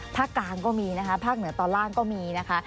ภาคกลางก็มีนะคะภาคเหนือตอนล่างก็มีนะคะ